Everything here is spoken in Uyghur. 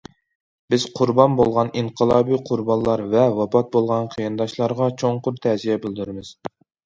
بىز قۇربان بولغان ئىنقىلابىي قۇربانلار ۋە ۋاپات بولغان قېرىنداشلارغا چوڭقۇر تەزىيە بىلدۈرىمىز.